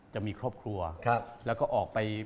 จะมีครอบครัวแล้วก็ออกไป